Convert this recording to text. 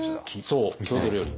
そう郷土料理。